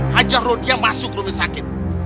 hajar rodhiyah masuk ke rumah sakit